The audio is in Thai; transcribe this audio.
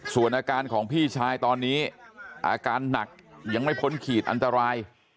ส่วนอาการของพี่ชายตอนนี้อาการหนักยังไม่พ้นขีดอันตราย